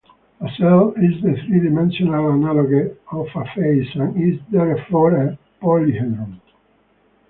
A cell is the three-dimensional analogue of a face, and is therefore a polyhedron.